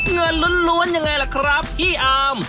เงินล้วนยังไงล่ะครับพี่อาร์ม